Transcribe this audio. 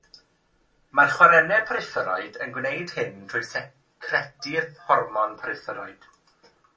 Mae'r chwarennau parathyroid yn gwneud hyn trwy secretu'r hormon parathyroid.